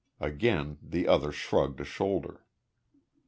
Again the other shrugged a shoulder.